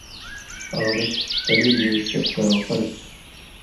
عورت (پلیل زئ) چپ کَرٶں فرض تھُو۔